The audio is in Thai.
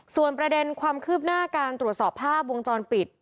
ส่วนประเด็นความคืบหน้าการตรวจสอบภาพวงจรปิด